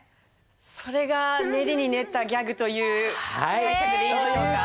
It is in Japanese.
それが練りに練ったギャクという解釈でいいでしょうか。